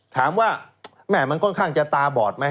ถามว่าแม่มันค่อนข้างจะตาบอดไหม